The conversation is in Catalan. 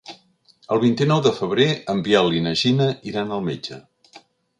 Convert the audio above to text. El vint-i-nou de febrer en Biel i na Gina iran al metge.